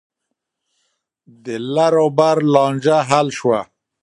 د لر او بر لانجه حل شوه.